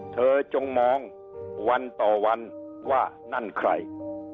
จงมองวันต่อวันว่านั่นใคร